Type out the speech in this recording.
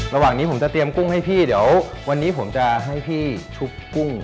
ระหว่างนี้ผมจะเตรียมกุ้งให้พี่เดี๋ยววันนี้ผมจะให้พี่ชุบกุ้ง